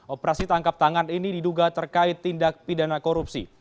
operasi tangkap tangan ini diduga terkait tindak pidana korupsi